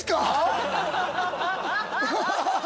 ハハハハ！